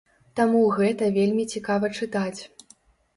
Таму гэта вельмі цікава чытаць.